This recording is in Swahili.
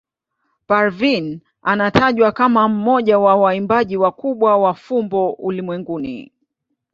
Parveen anatajwa kama mmoja wa waimbaji wakubwa wa fumbo ulimwenguni.